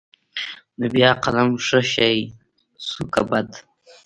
نو بيا قلم ښه شى شو که بد.